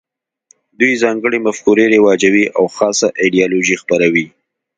دوی ځانګړې مفکورې رواجوي او خاصه ایدیالوژي خپروي